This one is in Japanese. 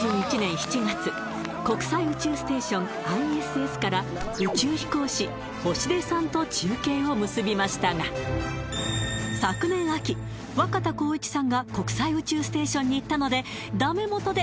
国際宇宙ステーションＩＳＳからと中継を結びましたが昨年秋若田光一さんが国際宇宙ステーションに行ったのでダメ元で